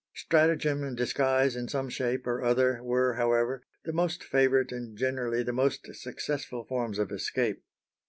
Stratagem and disguise in some shape or other were, however, the most favourite and generally the most successful forms of escape.